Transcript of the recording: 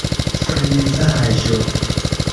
frenezaĵo